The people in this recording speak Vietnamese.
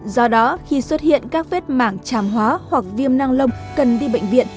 do đó khi xuất hiện các vết mảng tràm hóa hoặc viêm năng lông cần đi bệnh viện